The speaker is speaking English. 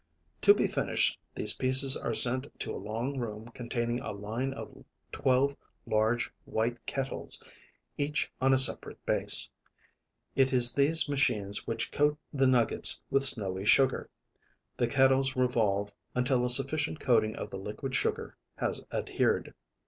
To be finished these pieces are sent to a long room containing a line of twelve large white kettles, each on a separate base. It is these machines which coat the nuggets with snowy sugar. The kettles revolve until a sufficient coating of the liquid sugar has adhered.